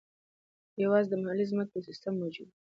یوازې د محلي ځمکو یو سیستم موجود و.